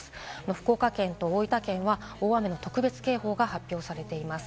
福岡県と大分県は大雨の特別警報が発表されています。